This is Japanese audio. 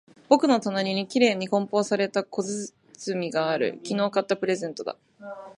僕の隣には綺麗に包装された小包がある。昨日買ったプレゼントだ。